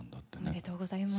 おめでとうございます。